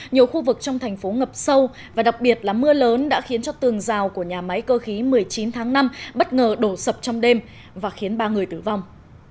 nhiều khu vực trong thành phố ngập sâu và đặc biệt là mưa lớn đã khiến cho tường rào của nhà máy cơ khí một mươi chín tháng năm bất ngờ đổ sập trong đêm và khiến ba người tử vong